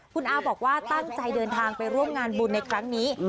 คุณอาบอกว่าตั้งใจเดินทางไปร่วมงานบุญในครั้งนี้